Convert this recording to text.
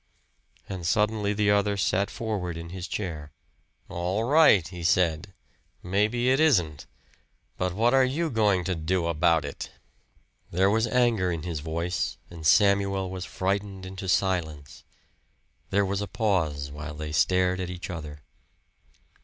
And suddenly the other sat forward in his chair. "All right," he said "Maybe it isn't. But what are you going to do about it?" There was anger in his voice, and Samuel was frightened into silence. There was a pause while they stared at each other.